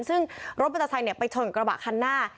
ซึ่งรถมอเตอร์ไซค์ไปชนกระบะคันหน้า